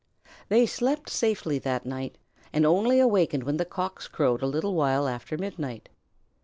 They slept safely that night, and only awakened when the Cocks crowed a little while after midnight.